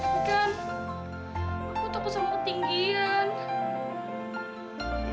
bukan aku takut sama ketinggian